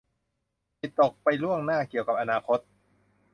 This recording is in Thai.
จิตตกไปล่วงหน้าเกี่ยวกับอนาคต